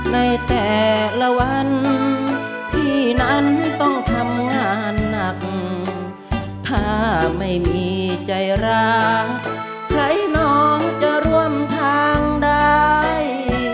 ในแต่ละวันพี่นั้นต้องทำงานหนักถ้าไม่มีใจราใครน้องจะร่วมทางได้